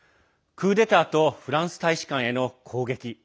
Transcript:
クーデターとフランス大使館への攻撃。